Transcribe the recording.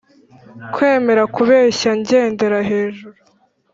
kwemera kubeshya ngendera hejuru